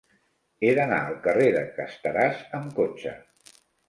He d'anar al carrer de Casteràs amb cotxe.